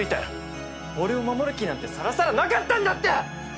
俺を守る気なんてさらさらなかったんだって！